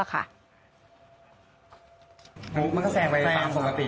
แซงผูกขึ้นไปเพื่อแค่รถคู่ประณี